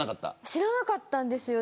知らなかったんですよ。